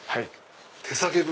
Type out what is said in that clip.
手提げ袋。